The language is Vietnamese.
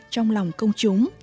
trong lòng công chúng